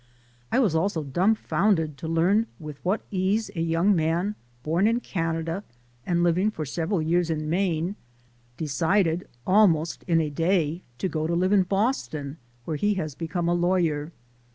I was also dum founded to learn with what ease a young man born in Canada and living for several years in Maine, de cided almost in a day, to go to live in Boston, where he has become a lawyer.